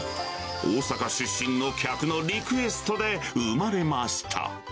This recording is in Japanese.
大阪出身の客のリクエストで生まれました。